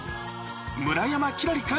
村山輝星君